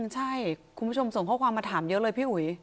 ใช่คุณผู้ชมส่งข้อความมาถามเยอะเลยพี่อุ๋ย